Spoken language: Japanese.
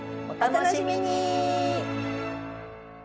お楽しみに！